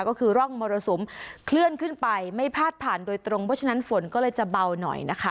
ก็คือร่องมรสุมเคลื่อนขึ้นไปไม่พาดผ่านโดยตรงเพราะฉะนั้นฝนก็เลยจะเบาหน่อยนะคะ